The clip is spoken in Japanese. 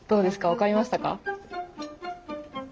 分かりましたか？